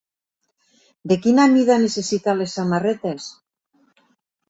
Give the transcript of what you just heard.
De quina mida necessita les samarretes?